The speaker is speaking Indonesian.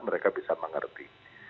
mereka bisa mengerti